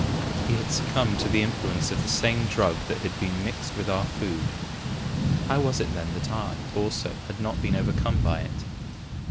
He had succumbed to the influence of the same drug that had been mixed with our food. How was it then, that I, also, had not been overcome by it?